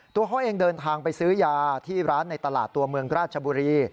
ตัวเขาเองเดินทางไปซื้อยาที่ร้านในตลาดตัวเมืองราชบุรี